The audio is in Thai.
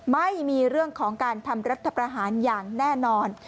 ไม่มีเรื่องของการทำรัฐประหารอย่างแน่นอน